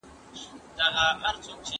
هغوی اقتصادي محدودیتونه ومنل.